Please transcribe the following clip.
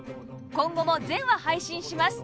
今後も全話配信します